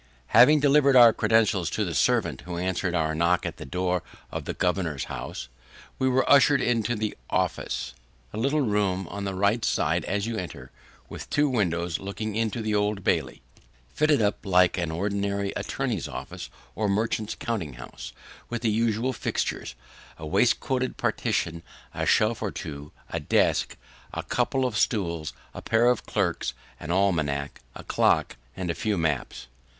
Having delivered our credentials to the servant who answered our knock at the door of the governor's house, we were ushered into the 'office;' a little room, on the right hand side as you enter, with two windows looking into the Old Bailey: fitted up like an ordinary attorney's office, or merchant's counting house, with the usual fixtures a wainscoted partition, a shelf or two, a desk, a couple of stools, a pair of clerks, an almanack, a clock, and a few maps.